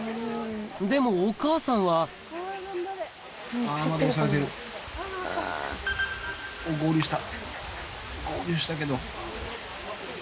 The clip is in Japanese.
でもお母さんは合流した合流したけど。